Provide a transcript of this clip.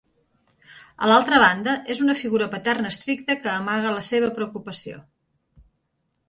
A l'altra banda, és una figura paterna estricta que amaga la seva preocupació.